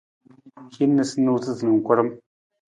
Hin niisaniisatu na karam.